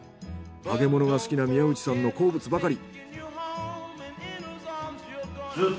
揚げ物が好きな宮内さんの好物ばかり。